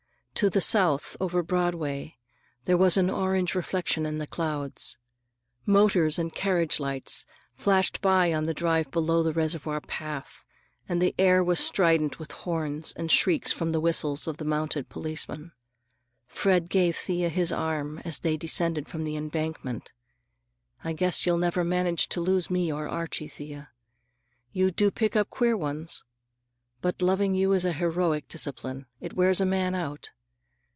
To the south, over Broadway, there was an orange reflection in the clouds. Motors and carriage lights flashed by on the drive below the reservoir path, and the air was strident with horns and shrieks from the whistles of the mounted policemen. Fred gave Thea his arm as they descended from the embankment. "I guess you'll never manage to lose me or Archie, Thea. You do pick up queer ones. But loving you is a heroic discipline. It wears a man out.